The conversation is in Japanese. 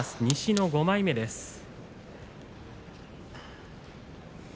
西の５枚目です。